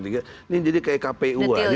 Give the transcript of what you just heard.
ini jadi kayak kpu aja